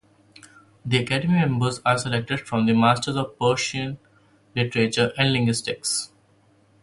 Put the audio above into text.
The academy members are selected from masters of Persian literature and linguistics.